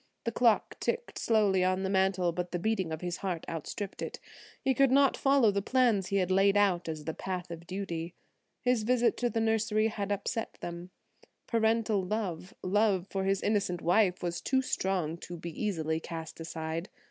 The clock ticked slowly on the mantel, but the beating of his heart outstripped it. He could not follow the plans he had laid out as the path of duty. His visit to the nursery had upset them; parental love, love for his innocent wife, was too strong to be easily cast aside.